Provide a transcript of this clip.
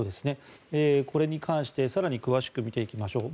これに関して更に詳しく見ていきましょう。